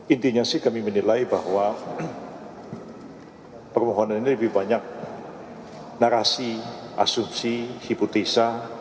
intinya sih kami menilai bahwa permohonan ini lebih banyak narasi asumsi hipotesa